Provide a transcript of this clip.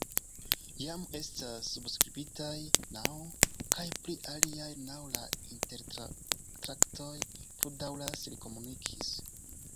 Jam estas subskribitaj naŭ, kaj pri aliaj naŭ la intertraktoj plu daŭras, li komunikis.